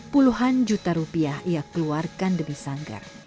puluhan juta rupiah ia keluarkan demi sanggar